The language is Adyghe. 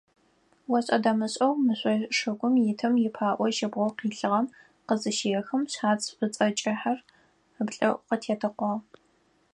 Ошӏэ-дэмышӏэу мыжъо шыгум итым ипаӏо жьыбгъэу къилъыгъэм къызыщехым, шъхьац шӏуцӏэ кӏыхьэр ыплӏэӏу къытетэкъуагъ.